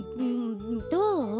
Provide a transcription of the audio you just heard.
どう？